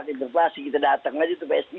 interpelasi kita datang aja itu psi